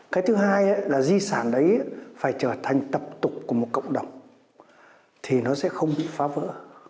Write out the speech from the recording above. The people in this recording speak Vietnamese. cái thứ hai là di sản đấy phải trở thành tập tục của một cộng đồng thì nó sẽ không bị phá vỡ